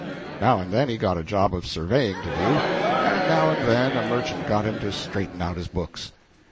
Now and then he got a job of surveying to do, and now and then a merchant got him to straighten out his books.